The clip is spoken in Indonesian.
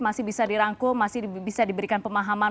masih bisa dirangkul masih bisa diberikan pemahaman